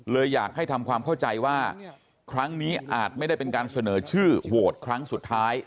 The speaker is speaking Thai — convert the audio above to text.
อยากให้ทำความเข้าใจว่าครั้งนี้อาจไม่ได้เป็นการเสนอชื่อโหวตครั้งสุดท้าย